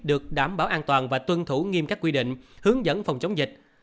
được đảm bảo an toàn và tuân thủ nghiêm các quy định hướng dẫn phòng chống dịch